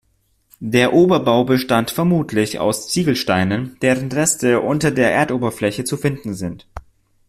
Der Oberbau bestand vermutlich aus Ziegelsteinen, deren Reste unter der Erdoberfläche zu finden sind.